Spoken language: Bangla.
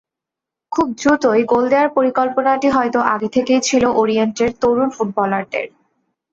খুব দ্রুতই গোল দেওয়ার পরিকল্পনাটা হয়তো আগে থেকেই ছিল ওরিয়েন্টের তরুণ ফুটবলারদের।